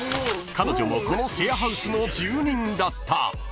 ［彼女もこのシェアハウスの住人だった］